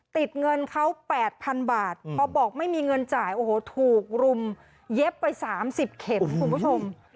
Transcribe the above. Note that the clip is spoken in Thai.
ติดเงินเขา๘๐๐๐บาทพอบอกไม่มีเงินจ่ายโอ้โหถูกรุมเย็บไป๓๐เข็มคุณผู้ชม